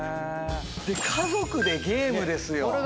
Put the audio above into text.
で家族でゲームですよ。